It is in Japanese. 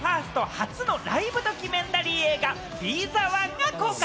初のライブドキュメンタリー映画、『ＢＥ：ｔｈｅＯＮＥ』が公開。